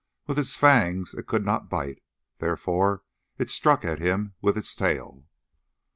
With its fangs it could not bite, therefore it struck at him with its tail.